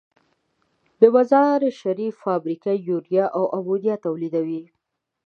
د مزارشریف فابریکه یوریا او امونیا تولیدوي.